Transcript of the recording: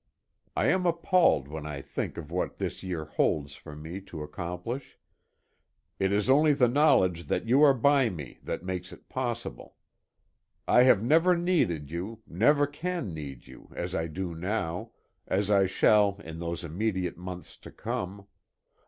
I am appalled when I think of what this year holds for me to accomplish; it is only the knowledge that you are by me that makes it possible. I have never needed you never can need you as I do now, as I shall in those immediate months to come.